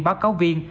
báo cáo viên